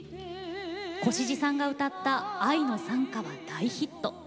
越路さんが歌った「愛の讃歌」は大ヒット。